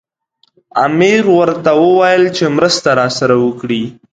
امیر ورته وویل چې مرسته راسره وکړي.